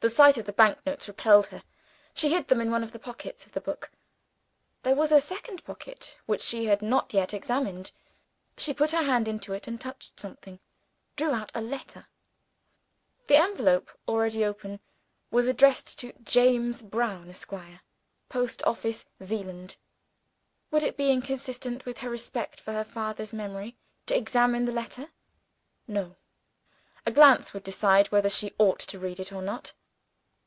The sight of the bank notes repelled her; she hid them in one of the pockets of the book. There was a second pocket which she had not yet examined. She pat her hand into it, and, touching something, drew out a letter. The envelope (already open) was addressed to "James Brown, Esq., Post Office, Zeeland." Would it be inconsistent with her respect for her father's memory to examine the letter? No; a glance would decide whether she ought to read it or not.